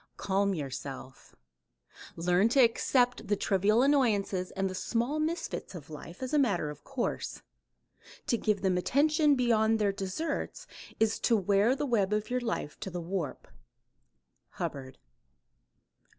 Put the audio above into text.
Calm yourself. "Learn to accept the trivial annoyances and the small misfits of life as a matter of course. To give them attention beyond their deserts is to wear the web of your life to the warp." Hubbard.